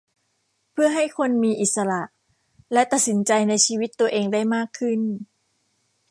เพื่อให้คนมีอิสระและตัดสินใจในชีวิตตัวเองได้มากขึ้น